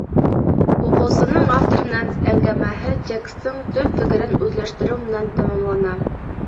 Уҡыусының автор менән әңгәмәһе текстың төп фекерен үҙләштереү менән тамамлана.